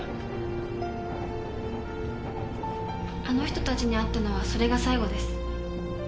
あの人たちに会ったのはそれが最後です。